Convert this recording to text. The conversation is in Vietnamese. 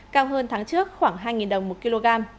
cao hơn tháng trước khoảng hai đồng một kg